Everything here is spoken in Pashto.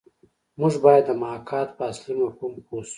موږ باید د محاکات په اصلي مفهوم پوه شو